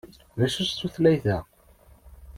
D acu-tt tutlayt-a?